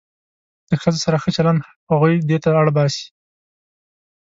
له ښځو سره ښه چلند هغوی دې ته اړ باسي.